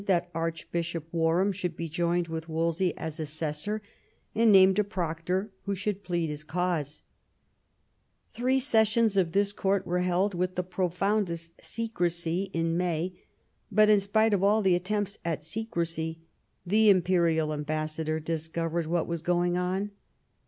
that Archbishop Warham should be joined with Wolsey as assessor, and named a proctor who should plead his causa Three sessions of this court were held with the profoundest secrecy in May; but in spite of all the attempts at secrecy the imperial ambassador discovered what was going on.